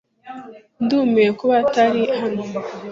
Ndumiwe kuba atari hano.